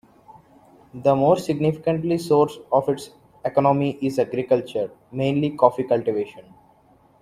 The more significantly source of its economy is agriculture, mainly coffee cultivation.